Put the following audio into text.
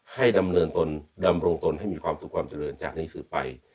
ให้ดำเนินตนดำรงตนให้มีความสุขความเจริญจากนี้คือไป